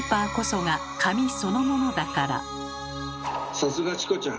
さすがチコちゃん！